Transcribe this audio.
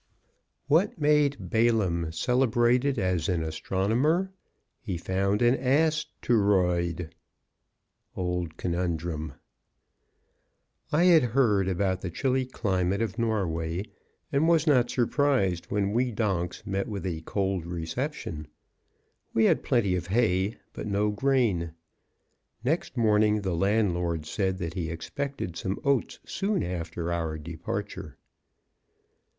What made Balaam celebrated as an astronomer? He found an ass to roid. Old Conundrum. I had heard about the chilly climate of Norway, and was not surprised when we donks met with a cold reception. We had plenty of hay but no grain. Next morning the landlord said that he expected some oats soon after our departure.